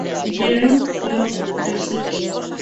Gallimard, Folio classique.